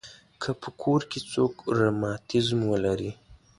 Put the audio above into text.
که په کور کې څوک رماتیزم ولري.